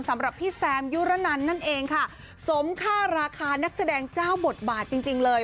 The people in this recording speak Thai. สำหรับพี่แซมยุรนันนั่นเองค่ะสมค่าราคานักแสดงเจ้าบทบาทจริงจริงเลย